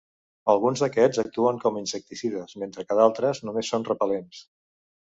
Alguns d'aquests actuen com a insecticides, mentre que d'altres només són repel·lents.